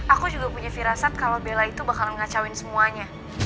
aku juga punya firasat kalau bella itu bakal ngacauin semuanya